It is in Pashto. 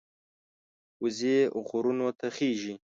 وزې غرونو ته خېژي